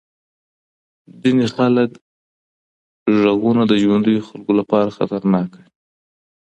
ځینې خلک غږونه د ژوندیو خلکو لپاره خطرناک ګڼي.